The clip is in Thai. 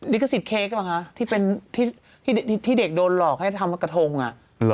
ลิกสิทธิ์เค้กนะคะที่เด็กโดนหลอกให้ทำกระทงอ่ะ